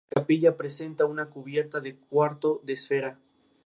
Fue ejecutada por especialistas de la Oficina del Historiador y especialistas rusos.